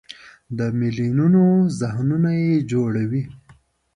د میلیونونو ذهنونه یې جوړوي.